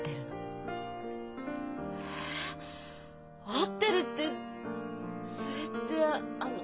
「会ってる」ってそれってあの。